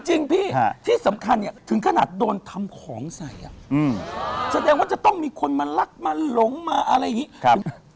จริงพี่ที่สำคัญเนี่ยถึงขนาดโดนทำของใส่แสดงว่าจะต้องมีคนมารักมาหลงมาอะไรอย่างนี้